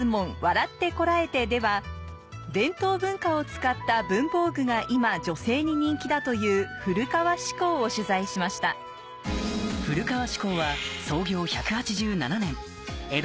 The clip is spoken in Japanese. ⁉笑ってコラえて！』では伝統文化を使った文房具が今女性に人気だという古川紙工を取材しました古川紙工は。